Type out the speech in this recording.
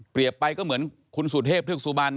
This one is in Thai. เปรียบไปก็เหมือนคุณสุธเทพธุรกสุบัน